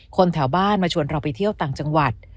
แถวบ้านมาชวนเราไปเที่ยวต่างจังหวัด